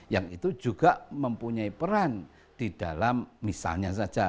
yang itu juga mempunyai peran di dalam misalnya saja